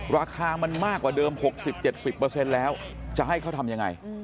ราคามันมากกว่าเดิม๖๐๗๐เปอร์เซ็นต์แล้วจะให้เขาทำยังไง